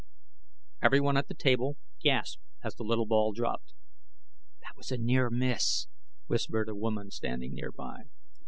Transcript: Everyone at the table gasped as the little ball dropped. "That was a near miss," whispered a woman standing nearby.